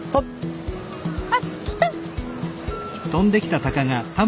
・あっ来た！